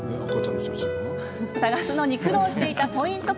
探すのに苦労していたポイント